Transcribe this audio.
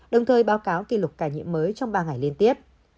đồng thời báo cáo kỷ lục ca nhiễm mới trong ba ngày liên tiếp